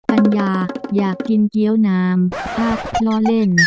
ปัญญาอยากกินเกี้ยวน้ำพักล้อเล่น